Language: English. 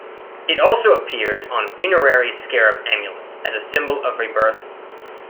It also appears on funerary scarab amulets as a symbol of rebirth.